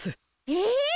えっ！？